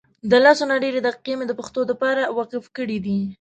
دلسونه ډیري دقیقی مي دپښتو دپاره وقف کړي دي